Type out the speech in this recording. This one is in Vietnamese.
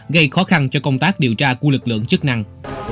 gây khó khăn cho công tác điều tra của lực lượng chức năng